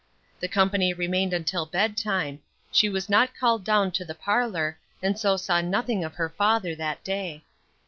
The company remained until bedtime; she was not called down to the parlor; and so saw nothing of her father that day.